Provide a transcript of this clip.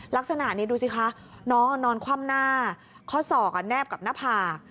ลักษณะนี้ดูสิคะน้องนอนคว่ำหน้าข้อศอกแนบกับหน้าผาก